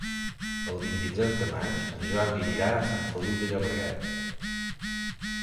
El vint-i-tres de maig en Jordi anirà a Sant Feliu de Llobregat.